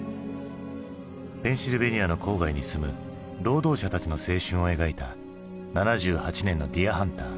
ペンシルベニアの郊外に住む労働者たちの青春を描いた７８年の「ディア・ハンター」。